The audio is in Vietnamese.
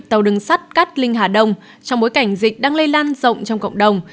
tàu đường sắt cát linh hà đông trong bối cảnh dịch đang lây lan rộng trong cộng đồng